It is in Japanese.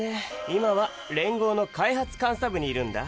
今は連合の開発監査部にいるんだ。